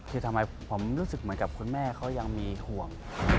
ถูกต้องรู้สึกเหมือนกับคุณแม่เขายังมีห่วง